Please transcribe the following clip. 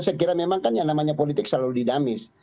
saya kira memang kan yang namanya politik selalu dinamis